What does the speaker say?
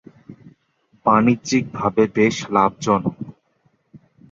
বাণিজ্যিকভাবে বেশ লাভজনক।